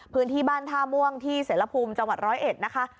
พื้นที่บ้านท่าม่วงที่เสรภูมิจังหวัดร้อยเอ็ดนะคะ